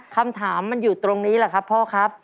คำถามมันอยู่ตรงนี้แหละครับพ่อครับ